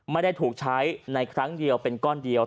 ไม่ได้ถูกใช้ในครั้งเดียวเป็นก้อนเดียว